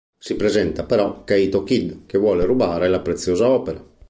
Si presenta però Kaito Kid, che vuole rubare la preziosa opera.